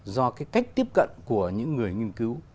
do cái cách tiếp cận của những người nghiên cứu